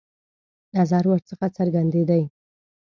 نظر ورڅخه څرګندېدی.